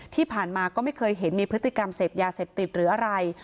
ที่ผ่านมาก็ไม่เคยเห็นมีพฤติกรรมเสพยาเสพติดหรืออะไร